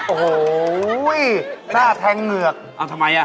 โอ้โหหน้าแทงเหงือกเอาทำไมอ่ะ